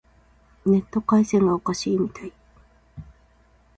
ネット回線がおかしいみたい。